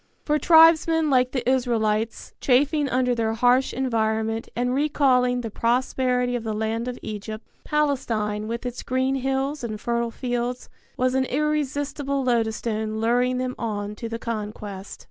For tribesmen like the Israelites, chafing under their harsh environment and recalling the prosperity of the land of Egypt, Palestine with its green hills and fertile fields was an irresistible lodestone luring them on to the conquest.